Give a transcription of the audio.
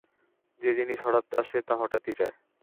যে-জিনিস হঠাৎ আসে তা হঠাৎই যায়।